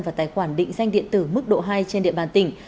và tài khoản định danh điện tử mức độ hai trên địa bàn tỉnh